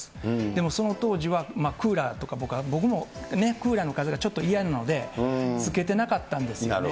でも、その当時はクーラーとか、僕もクーラーの風がちょっと嫌なので、つけてなかったんですよね。